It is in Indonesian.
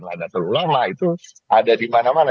nada terulama itu ada di mana mana